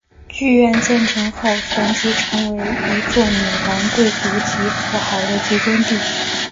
剧院建成后旋即成为一众米兰贵族及富豪的集中地。